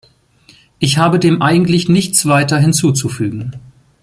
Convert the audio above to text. Ich habe dem eigentlich nichts weiter hinzuzufügen.